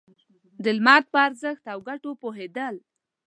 د لمر په ارزښت او گټو پوهېدل.